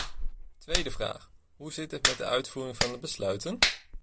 Tweede vraag: hoe zit het met de uitvoering van de besluiten?